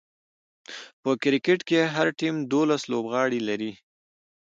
په کرکټ کښي هر ټيم دوولس لوبغاړي لري.